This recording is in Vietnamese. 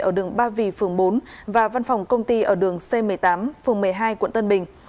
ở đường ba vì phường bốn và văn phòng công ty ở đường c một mươi tám phường một mươi hai quận tân bình